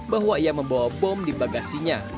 bahwa ia membawa bom di bagasinya